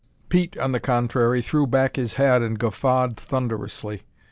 Pete, on the contrary, threw back his head and guffawed thunderously.